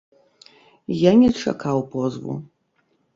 Я не чакаў позву.